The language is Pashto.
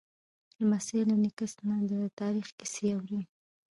لمسی له نیکه نه د تاریخ کیسې اوري.